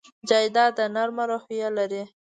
جانداد د نرمه روح لري.